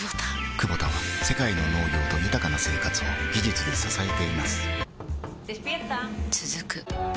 クボタは世界の農業と豊かな生活を技術で支えています起きて。